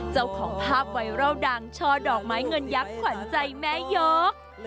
เจ้าของภาพไวรัลดังช่อดอกไม้เงินยักษ์ขวัญใจแม่ยก